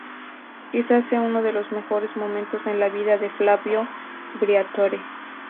Quizás sea uno de los mejores momentos en la vida de Flavio Briatore.